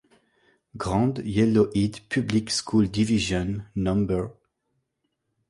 Grande Yellowhead Public School Division No.